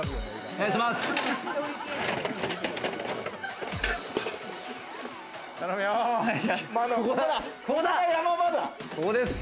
お願いします。